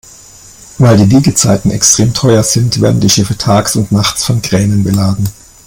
Weil die Liegezeiten extrem teuer sind, werden die Schiffe tags und nachts von Kränen beladen.